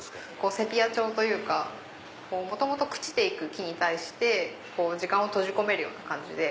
セピア調というか元々朽ちて行く木に対して時間を閉じ込めるような感じで。